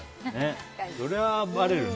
それはばれるね。